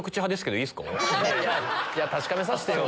確かめさせてよ。